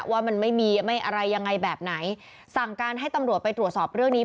ว่ามันไม่มีไม่อะไรยังไงแบบไหนสั่งการให้ตำรวจไปตรวจสอบเรื่องนี้